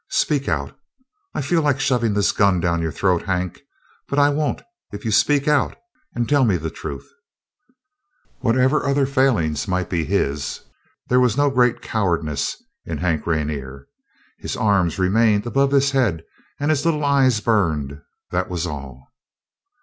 "Speak out! I feel like shovin' this gun down your throat, Hank, but I won't if you speak out and tell me the truth." Whatever other failings might be his, there was no great cowardice in Hank Rainer. His arms remained above his head and his little eyes burned. That was all.